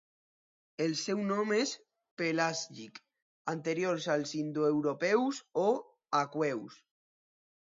El seu nom és pelàsgic, anterior als indoeuropeus o aqueus.